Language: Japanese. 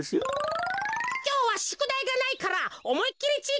きょうはしゅくだいがないからおもいっきりちぃ